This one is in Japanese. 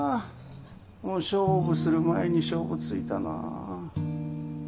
もう勝負する前に勝負ついたなあ。